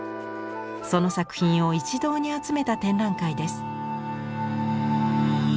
その作品を一堂に集めた展覧会です。